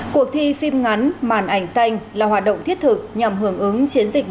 cuộc thi phim ngắn màn ảnh xanh là hoạt động thiết thực nhằm hưởng ứng chiến dịch